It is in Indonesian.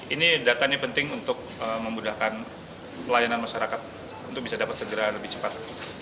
ini datanya penting untuk memudahkan pelayanan masyarakat untuk bisa dapat segera dan lebih cepat